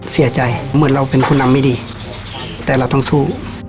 เสียใจเหมือนเราเป็นผู้นำไม่ดีแต่เราต้องสู้